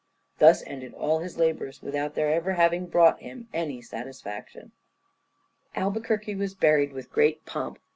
Thus ended all his labours, without their having ever brought him any satisfaction." Albuquerque was buried with great pomp.